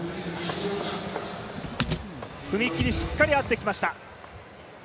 踏み切り、しっかり合ってきました